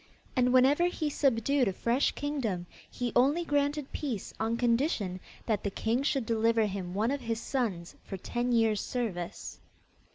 And whenever he subdued a fresh kingdom, he only granted peace on condition that the king should deliver him one of his sons for ten years' service.